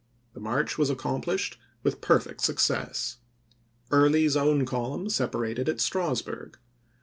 The march was no. accomplished with perfect success. Early's own column separated at Strasburg.